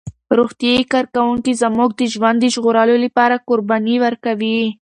روغتیايي کارکوونکي زموږ د ژوند د ژغورلو لپاره قرباني ورکوي.